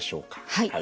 はい。